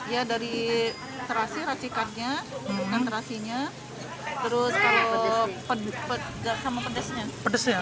ya dari terasi racikannya terus kalau pedasnya